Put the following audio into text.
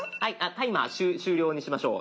タイマー終了にしましょう。